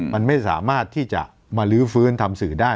มันไม่สามารถที่จะมาลื้อฟื้นทำสื่อได้